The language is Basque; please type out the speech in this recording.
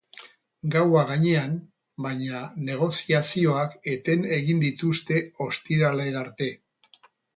Gaua gainean, baina, negoziazioak eten egin dituzte ostiralera arte.